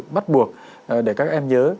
bắt buộc để các em nhớ